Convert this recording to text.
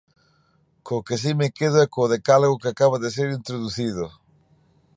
Co que si me quedo é co decálogo que acaba de ser introducido.